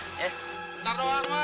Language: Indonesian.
ntar doang mah